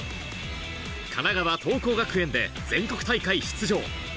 神奈川・桐光学園で全国大会出場。